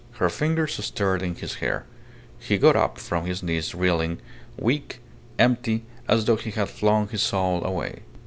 Her fingers stirred in his hair. He got up from his knees reeling, weak, empty, as though he had flung his soul away.